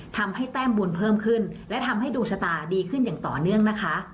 ทำให้แต้มบุญเพิ่มขึ้นและทำให้ดวงชะตาดีขึ้นอย่างต่อเนื่องนะคะ